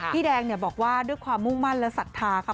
พี่แดงบอกว่าด้วยความมุ่งมั่นและศรัทธาค่ะ